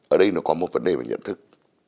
ở đây nó có một vấn đề về nhận thức